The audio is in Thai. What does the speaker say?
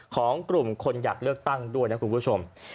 ของกลุ่มคนอยากเลือกตั้งด้วยนะคุณผู้ชม